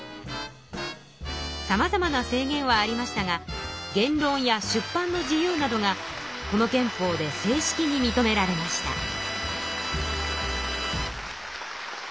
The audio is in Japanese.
さまざまな制限はありましたが言論や出版の自由などがこの憲法で正式に認められました。